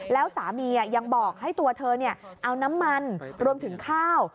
แล้วสามียังบอกให้ตัวเธอเอาน้ำมันรวมถึงข้าว